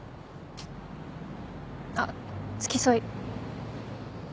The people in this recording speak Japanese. あっ付き添い。